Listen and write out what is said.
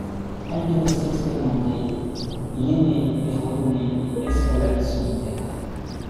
Alpiniste expérimenté, il aimait les randonnées et escalades solitaires.